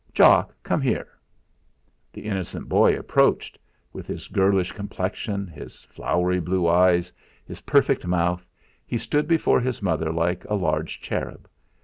Jock, come here!" The innocent boy approached; with his girlish complexion, his flowery blue eyes, his perfect mouth, he stood before his mother like a large cherub.